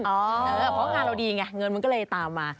เพราะงานเราดีไงเงินมันก็เลยตามมา